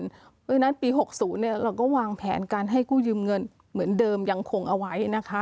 เพราะฉะนั้นปี๖๐เราก็วางแผนการให้กู้ยืมเงินเหมือนเดิมยังคงเอาไว้นะคะ